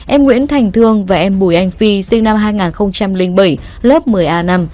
em nguyễn thành thương và em bùi anh phi sinh năm hai nghìn bảy lớp một mươi a năm